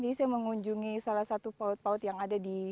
jadi saya mengunjungi salah satu paut paut yang ada di